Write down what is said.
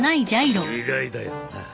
意外だよな。